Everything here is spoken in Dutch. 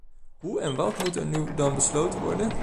Hoe en wat moet er nu dan besloten worden?